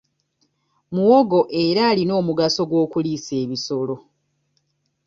Muwogo era alina omugaso gw'okuliisa ebisolo.